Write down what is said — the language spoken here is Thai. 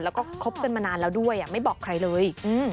แล้วก็คบกันมานานแล้วด้วยไม่บอกใครเลย